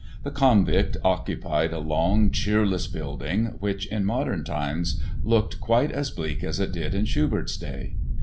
The Konvikt occupied a long, cheerless building which in modern times looked quite as bleak as it did in Schubert's day.